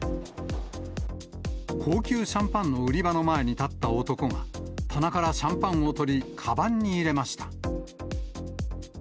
高級シャンパンの売り場の前に立った男が、棚からシャンパンをとり、かばんに入れました。